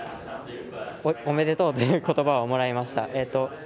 おめでとうということばをもらいました